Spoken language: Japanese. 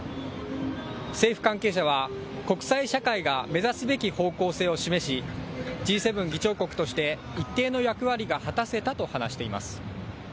政府関係者は国際社会が目指すべき方向性を示しＧ７議長国として一定の役割が果たせたと話しています。